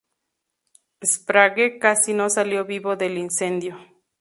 Sprague casi no salió vivo del incendio.